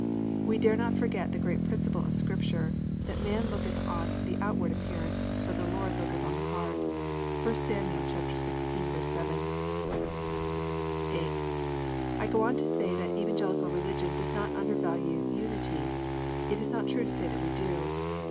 We dare not forget the great principle of Scripture, that "man looketh on the outward appearance, but the Lord looketh on the heart." (1 Sam. xvi. 7.) (8) I go on to say that Evangelical religion does not under value unity. It is not true to say that we do.